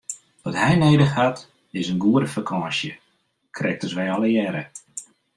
Wat hy nedich hat is in goede fakânsje, krekt as wy allegearre!